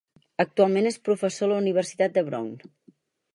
Actualment és professor a la Universitat de Brown.